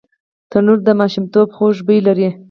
تنور د ماشومتوب خوږ بوی لري